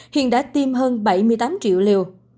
hiện đã tiêm hơn bảy mươi tám triệu liều